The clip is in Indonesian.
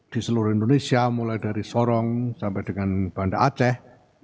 di seluruh indonesia mulai dari sorong sampai dengan banda aceh